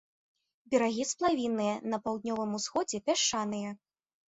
Берагі сплавінныя, на паўднёвым усходзе пясчаныя.